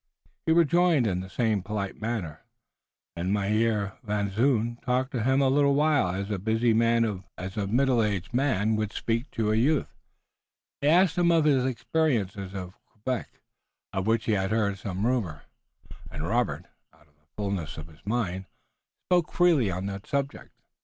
He rejoined in the same polite manner, and Mynheer Van Zoon talked to him a little while as a busy man of middle age would speak to a youth. He asked him of his experiences at Quebec, of which he had heard some rumor, and Robert, out of the fullness of his mind, spoke freely on that subject.